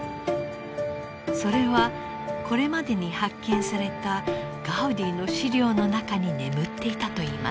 それはこれまでに発見されたガウディの資料の中に眠っていたといいます。